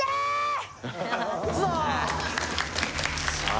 さあ